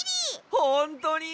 ほんとに？